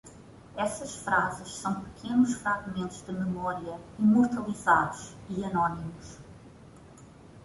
Essas frases são pequenos fragmentos de memória, imortalizados, e anônimos.